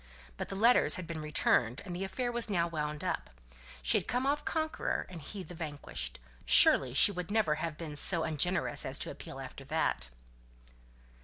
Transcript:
But the letters had been returned, and the affair was now wound up. She had come off conqueror, he the vanquished. Surely she would never have been so ungenerous as to appeal after that.